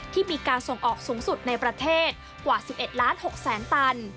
ที่มีการส่งออกสูงสุดในประเทศกว่า๑๑ล้าน๖แสนตัน